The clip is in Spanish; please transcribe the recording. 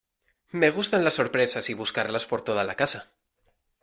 me gustan las sorpresas y buscarlas por toda la casa.